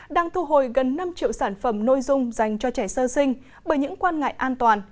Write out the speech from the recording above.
đang thu hồi gần năm triệu sản phẩm nôi dung dành cho trẻ sơ sinh bởi những quan ngại an toàn